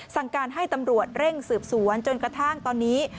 สั่งการให้ตำรวจเร่งสืบสวนจนกระทั่งตอนนี้